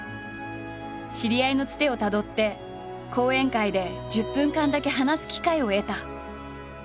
知り合いのつてをたどって講演会で１０分間だけ話す機会を得た。